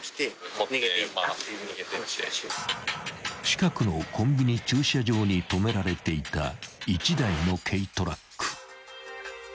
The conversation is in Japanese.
［近くのコンビニ駐車場にとめられていた１台の軽トラック］